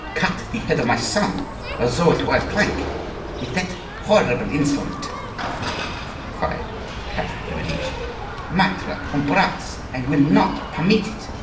"Cut the head of my son as though it were a plank!—with that horrible instrument!" cried Catherine de' Medici. "Maitre Ambroise, I will not permit it."